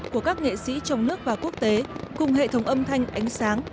của các nghệ sĩ trong nước và quốc tế cùng hệ thống âm thanh ánh sáng